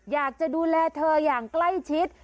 อยากจะดูแลเธออย่างใกล้ชิด